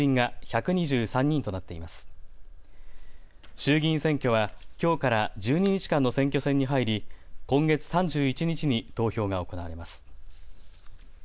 衆議院選挙はきょうから１２日間の選挙戦に入り今月３１日に投票が行われます。